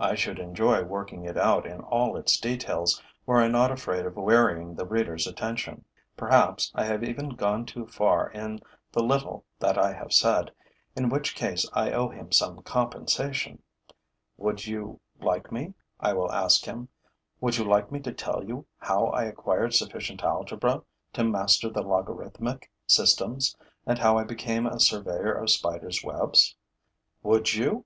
I should enjoy working it out in all its details, were I not afraid of wearying the reader's attention. Perhaps I have even gone too far in the little that I have said, in which case I owe him some compensation: 'Would you like me,' I will ask him, 'would you like me to tell you how I acquired sufficient algebra to master the logarithmic systems and how I became a surveyor of Spiders' webs? Would you?